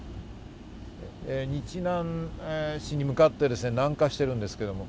日南市に向かって南下しています。